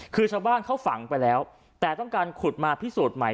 คือชาวบ้านเขาฝังไปแล้วแต่ต้องการขุดมาพิสูจน์ใหม่